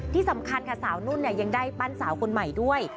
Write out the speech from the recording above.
ที่สำคัญค่ะสาวนุ่นยังได้ปั้นสาวคนใหม่ด้วย